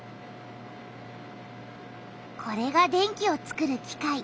これが電気をつくる機械。